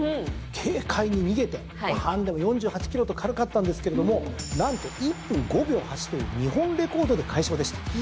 軽快に逃げてハンディも４８ｋｇと軽かったんですけれども何と１分５秒８という日本レコードで快勝でした。